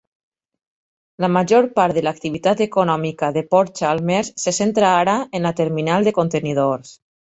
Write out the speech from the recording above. La major part de l'activitat econòmica de Port Chalmers se centra ara en la terminal de contenidors.